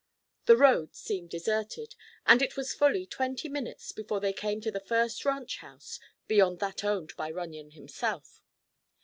The road seemed deserted and it was fully twenty minutes before they came to the first ranch house beyond that owned by Runyon himself.